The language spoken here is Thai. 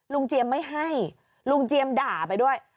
เจียมไม่ให้ลุงเจียมด่าไปด้วย